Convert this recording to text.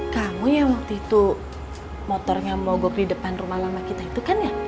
kamu yang waktu itu motornya mogok di depan rumah lama itu